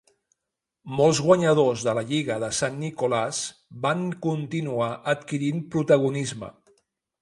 Molts guanyadors de la lliga de St. Nicholas van continuar adquirint protagonisme.